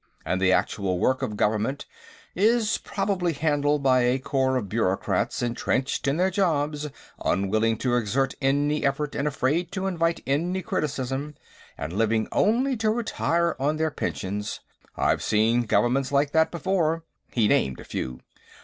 And the actual work of government is probably handled by a corps of bureaucrats entrenched in their jobs, unwilling to exert any effort and afraid to invite any criticism, and living only to retire on their pensions. I've seen governments like that before." He named a few.